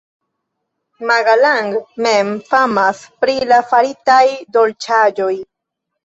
Magalang mem famas pri la faritaj dolĉaĵoj.